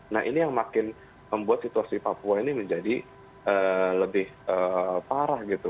nah ini yang makin membuat situasi papua ini menjadi lebih parah gitu